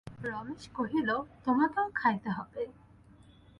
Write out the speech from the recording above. রমেশ কহিল, তোমাকেও খাইতে হইবে।